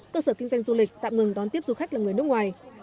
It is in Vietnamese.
cơ sở kinh doanh du lịch tạm ngừng đón tiếp du khách là người nước ngoài